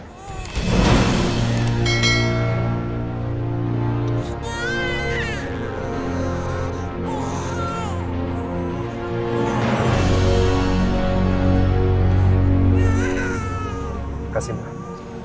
tanda tanda saya mohon tanda